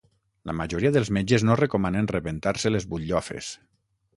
La majoria dels metges no recomanen rebentar-se les butllofes.